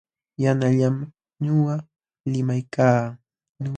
Yanqallam nuqa limaykaa.